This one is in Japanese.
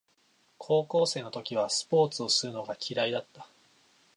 高校生の時はスポーツをするのが嫌いだった